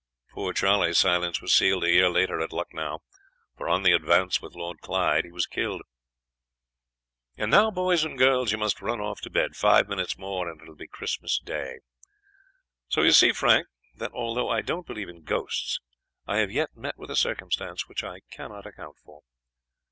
Poor Charley's silence was sealed a year later at Lucknow, for on the advance with Lord Clyde he was killed. "And now, boys and girls, you must run off to bed. Five minutes more and it will be Christmas Day. "So you see, Frank, that although I don't believe in ghosts, I have yet met with a circumstance which I cannot account for."